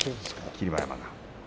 霧馬山は。